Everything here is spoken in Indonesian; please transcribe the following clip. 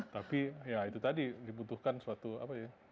tapi ya itu tadi dibutuhkan suatu apa ya